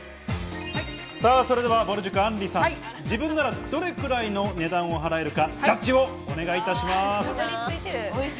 それでは、あんりさん、どれくらいの値段を払えるかジャッジをお願いします。